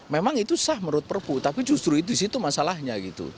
memang itu sah menurut perbu tapi justru di situ masalahnya